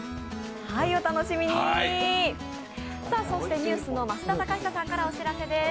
ＮＥＷＳの増田貴久さんからお知らせです。